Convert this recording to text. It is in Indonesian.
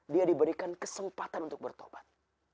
dia diberikan kesempatan untuk bertobat